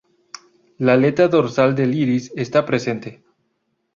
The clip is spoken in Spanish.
La aleta dorsal del iris está presente.